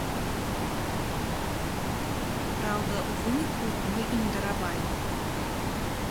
Праўда, у выніку мы ім даравалі.